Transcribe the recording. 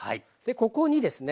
ここにですね